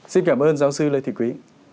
xin cảm ơn giáo sư lê thị quý